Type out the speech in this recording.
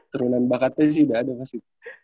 turunan bakatnya sudah ada pasti